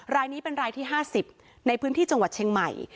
รายนี้เป็นรายที่๕๐ในพื้นที่จังหวัดเชียงใหม่